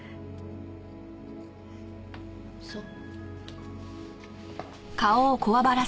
そう。